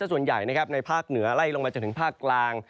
ส่วนใหญ่ในภาคเหนือไล่ลงมาจนถึงภาคกลาง